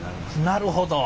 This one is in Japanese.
なるほど。